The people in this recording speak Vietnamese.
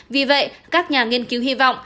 vì vậy các nhà nghiên cứu hy vọng